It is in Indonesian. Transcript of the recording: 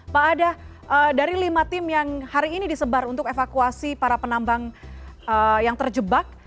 pak ada dari lima tim yang hari ini disebar untuk evakuasi para penambang yang terjebak